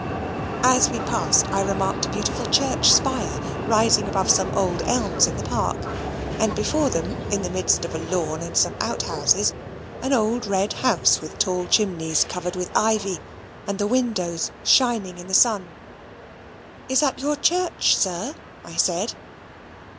As we passed, I remarked a beautiful church spire rising above some old elms in the park; and before them, in the midst of a lawn, and some outhouses, an old red house with tall chimneys covered with ivy, and the windows shining in the sun. "Is that your church, sir?" I said.